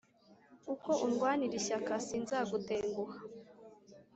uko undwanira ishyaka sinzagutenguha